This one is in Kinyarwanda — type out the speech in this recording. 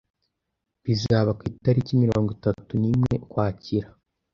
bizaba ku itariki mirongo itatu nimwe Ukwakira